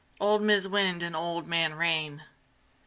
Old Mis' Wind and Old Man Rain.